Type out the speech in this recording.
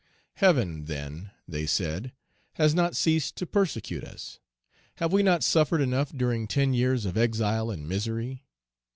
"Heaven, then," they said, "has not ceased to persecute us; have we not suffered enough during ten years of exile and misery?